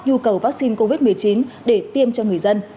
nhu cầu vaccine covid một mươi chín để tiêm cho người dân